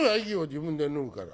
自分で脱ぐから。